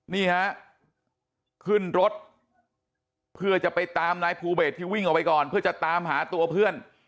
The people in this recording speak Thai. นี่ฮะขึ้นรถเพื่อจะไปตามนายภูเบสที่วิ่งออกไปก่อนเพื่อจะตามหาตัวเพื่อน